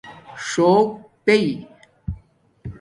څُݸک پیئ